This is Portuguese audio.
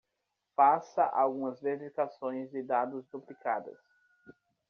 Faça algumas verificações de dados duplicadas